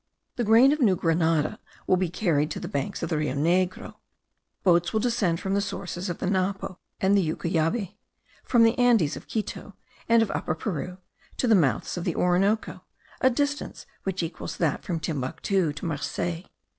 The grain of New Grenada will be carried to the banks of the Rio Negro; boats will descend from the sources of the Napo and the Ucuyabe, from the Andes of Quito and of Upper Peru, to the mouths of the Orinoco, a distance which equals that from Timbuctoo to Marseilles.